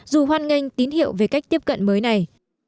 dù hoan nghênh tín hiệu về cách tiếp cận mới này